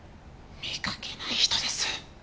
見かけない人です！